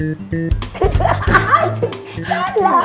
mas aku mau ke kamar